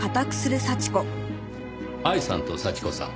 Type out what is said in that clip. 愛さんと幸子さん